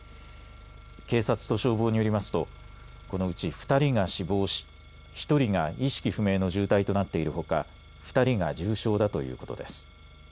警察と消防によりますとこのうち２人が死亡し１人が意識不明の重体となっているほか２人が重傷だということです。